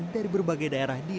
campur mau sisa medis